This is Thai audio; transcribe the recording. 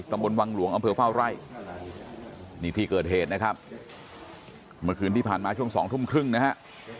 ตำบลวังหลวงอำเภอเฝ้าไร่นี่ที่เกิดเหตุนะครับเมื่อคืนที่ผ่านมาช่วงสองทุ่มครึ่งนะฮะ